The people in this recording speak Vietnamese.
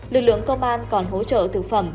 lực lượng công an còn hỗ trợ thực phẩm